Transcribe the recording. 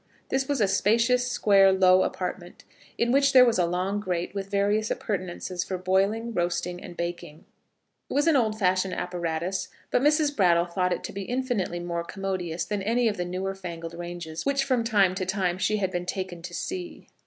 This was a spacious, square, low apartment, in which there was a long grate with various appurtenances for boiling, roasting, and baking. It was an old fashioned apparatus, but Mrs. Brattle thought it to be infinitely more commodious than any of the newer fangled ranges which from time to time she had been taken to see.